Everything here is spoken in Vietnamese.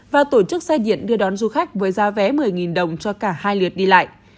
và tổ chức xe điện đưa đón du khách với giá vé một mươi đồng cho cả hai lượt đi lại